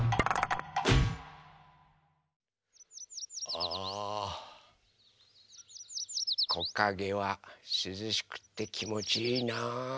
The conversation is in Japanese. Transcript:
あこかげはすずしくってきもちいいなあ。